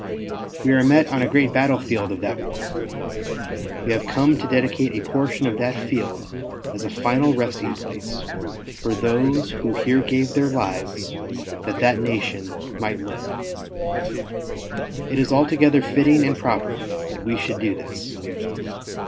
We are met on a great battle field of that war. We have come to dedicate a portion of that field as a final resting place for those who here gave their lives that that nation might live. It is altogether fitting and proper that we should do this.